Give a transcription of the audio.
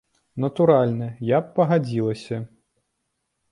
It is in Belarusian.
Натуральна, я б пагадзілася.